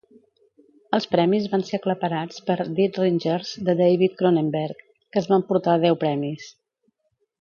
Els premis van ser aclaparats per "Dead Ringers" de David Cronenberg, que es va emportar deu premis.